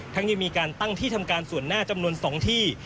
ยังมีการตั้งที่ทำการส่วนหน้าจำนวน๒ที่